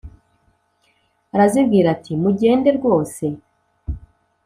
Arazibwira ati mugende rwose